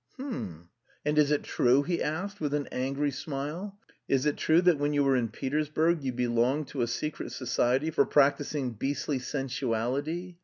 "H'm! And is it true?" he asked, with an angry smile. "Is it true that when you were in Petersburg you belonged to a secret society for practising beastly sensuality?